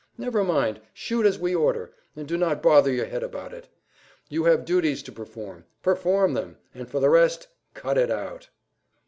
Never mind, shoot as we order, and do not bother your head about it. You have duties to perform, perform them, and for the rest—cut it out!